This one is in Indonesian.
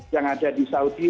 yang ada di saudi